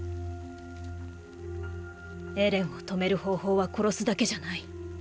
エレンを止める方法は殺すだけじゃない。